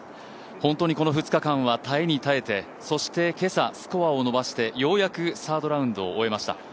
本当にこの２日間は耐えに耐えてそして今朝、スコアを伸ばしてようやくサードラウンドを終えました。